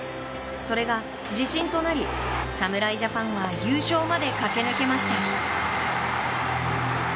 それが自信となり、侍ジャパンは優勝まで駆け抜けました。